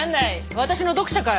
私の読者かい？